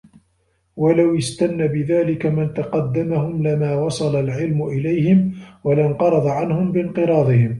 وَلَوْ اسْتَنَّ بِذَلِكَ مَنْ تَقَدَّمَهُمْ لَمَا وَصَلَ الْعِلْمُ إلَيْهِمْ وَلَانْقَرَضَ عَنْهُمْ بِانْقِرَاضِهِمْ